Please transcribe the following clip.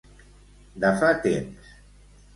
De fa temps.